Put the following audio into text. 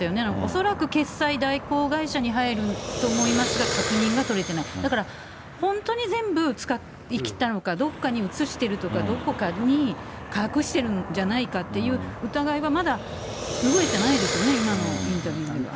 恐らく決済代行会社に入ると思いますが、確認が取れてない、だから、本当に全部使い切ったのか、どっかに移してるとか、どこかに隠しているんじゃないかっていう疑いはまだ拭えてないですよね、今のインタビューでは。